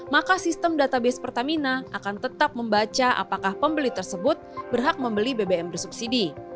maka sistem database pertamina akan tetap membaca apakah pembeli tersebut berhak membeli bbm bersubsidi